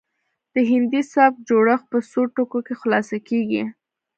د هندي سبک جوړښت په څو ټکو کې خلاصه کیږي